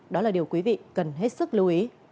đó là điều quý vị cần hết sức lưu ý